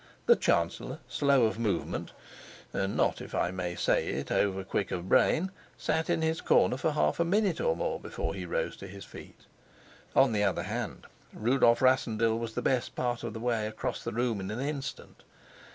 The chancellor, slow of movement, and not, if I may say it, over quick of brain, sat in his corner for half a minute or more before he rose to his feet. On the other hand, Rudolf Rassendyll was the best part of the way across the room in an instant.